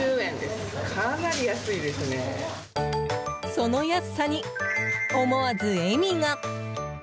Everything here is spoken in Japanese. その安さに、思わず笑みが。